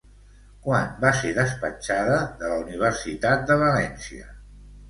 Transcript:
Quan va ser despatxada de la Universitat de València?